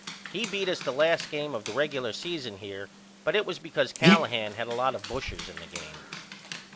He beat us the last game of the regular season here but it was because Callahan had a lot of bushers in the game.